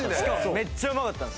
めっちゃうまかったんです。